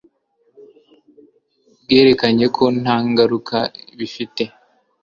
Bwerekanye ko ntangaruka bifite